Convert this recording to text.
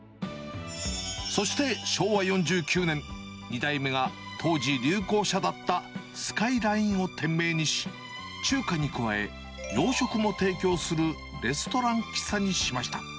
そして、昭和４９年、２代目が当時流行車だったスカイラインを店名にし、中華に加え、洋食も提供するレストラン喫茶にしました。